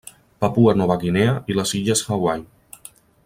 Papua Nova Guinea i les illes Hawaii.